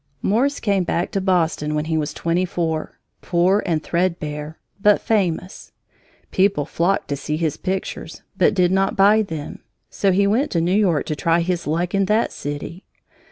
Morse came back to Boston when he was twenty four, poor and threadbare, but famous. People flocked to see his pictures but did not buy them. So he went to New York to try his luck in that city.